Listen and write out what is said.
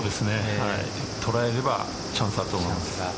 捉えればチャンスがあると思います。